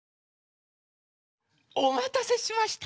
おまたせしました。